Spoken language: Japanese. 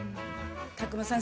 宅麻さん